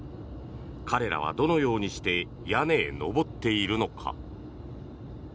彼らはどのようにして屋根へ上っているのか。